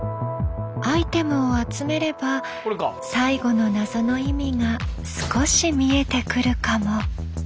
アイテムを集めれば最後の謎の意味が少し見えてくるかも。